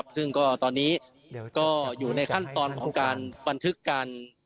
ซึ่งก็ตอนนี้ก็อยู่ในขั้นตอนของการบันทึกการ